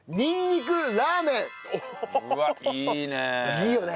いいね！